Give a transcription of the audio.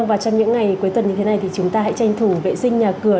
và trong những ngày cuối tuần như thế này thì chúng ta hãy tranh thủ vệ sinh nhà cửa